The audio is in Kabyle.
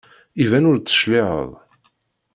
Iban ur d-tecliɛeḍ.